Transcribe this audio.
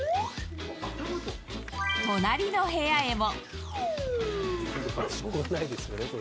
隣の部屋へも。